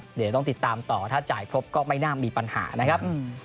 เดี๋ยวต้องติดตามต่อถ้าจ่ายครบก็ไม่น่ามีปัญหานะครับ